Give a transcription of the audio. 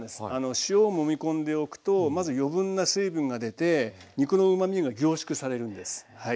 塩をもみこんでおくとまず余分な水分が出て肉のうまみが凝縮されるんですはい。